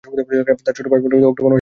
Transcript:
তার ছোট বোন অক্টোবর মাসে জন্মগ্রহণ করে।